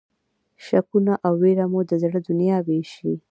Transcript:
شکونه او وېره مو د زړه دنیا وېشي.